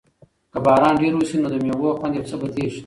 که باران ډېر وشي نو د مېوو خوند یو څه بدلیږي.